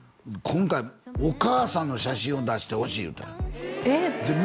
今回お母さんの写真を出してほしい言うたよえっ？